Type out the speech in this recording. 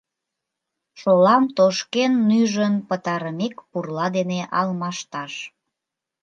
Шолам тошкен-нӱжын пытарымек, пурла дене алмашташ.